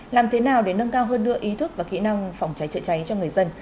làm thế nào để nâng cao hơn nửa ý thức và kỹ năng phòng cháy chữa cháy cho người dân